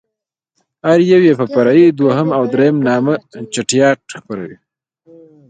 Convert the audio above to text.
هر يو يې په فرعي دوهم او درېم نامه چټياټ خپروي.